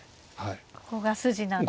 ここが筋なんですね。